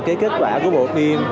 cái kết quả của bộ phim